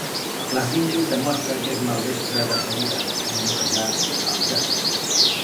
La Cindy demostra que és maldestra de seguida, en noquejar el Jack.